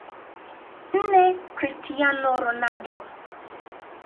NneChristiano Ronaldo